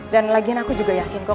dan lagian aku juga yakin kok